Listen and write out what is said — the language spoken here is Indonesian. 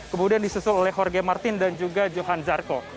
kemudian disusul oleh jorge martin dan juga johan zarco